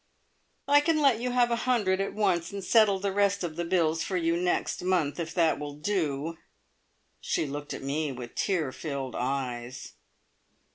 "I can let you have a hundred at once, and settle the rest of the bills for you next month, if that will do." She looked at me with tear filled eyes.